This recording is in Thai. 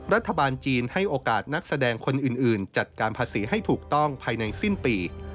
รัฐบาลจีนให้โอกาสนักแสดงคนอื่นจัดการภาษีให้ถูกต้องภายในสิ้นปี